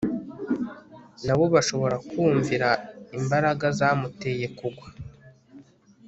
nabo bashobora kumvira imbaraga zamuteye kugwa